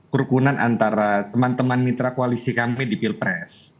kerukunan antara teman teman mitra koalisi kami di pilpres